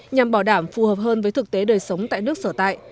nhằm bảo đảm phù hợp hơn với thực tế đời sống tại nước sở tại